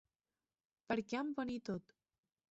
Per què amb poni tot?